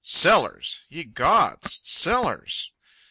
Sellers! Ye gods! Sellers!